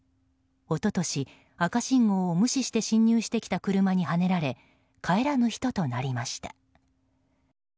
一昨年、赤信号を無視して進入してきた車にはねられ帰らぬ人となりました。